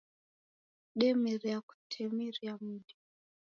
Demeria kutemeria mudi